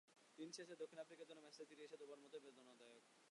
দিন শেষে দক্ষিণ আফ্রিকার জন্য ম্যাচটি তীরে এসে ডুবে মরার মতোই বেদনাদায়ক।